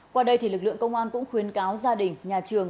qua đây thì lực lượng công an cũng khuyến cáo gia đình nhà trường